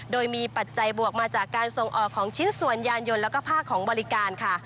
โดยมีปัจจัยบวกมาจากการส่งออกของชิ้นส่วนยานยนต์แล้วก็ภาคของบริการค่ะ